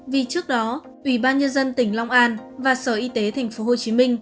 vì trước đó ủy ban nhân dân tỉnh long an và sở y tế tp hcm